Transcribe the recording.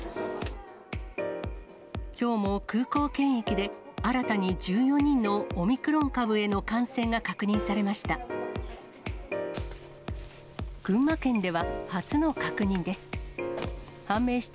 きょうも空港検疫で新たに１４人のオミクロン株への感染が確認されました。